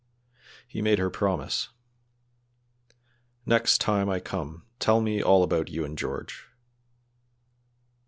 He made her promise: "Next time I come tell me all about you and George.